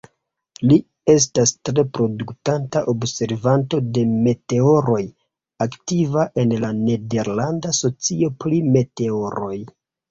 Li estas tre produktanta observanto de meteoroj, aktiva en la Nederlanda Socio pri Meteoroj.